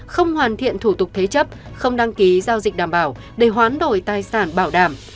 không hoàn thiện thủ tục thế chấp không đăng ký giao dịch đảm bảo để hoán đổi tài sản bảo đảm